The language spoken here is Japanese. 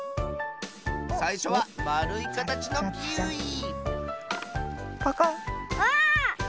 さいしょはまるいかたちのキウイパカッ。